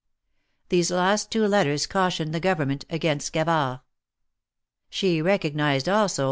These last two letters cautioned the govern ment against Gavard. She recognized, also.